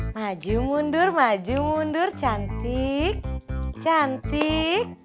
maju mundur maju mundur cantik cantik